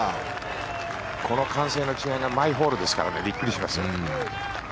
この歓声の違いが毎ホールですからびっくりしますよ。